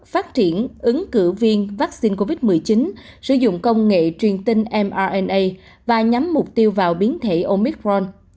phát triển ứng cử viên vaccine covid một mươi chín sử dụng công nghệ truyền tin mrna và nhắm mục tiêu vào biến thể omicron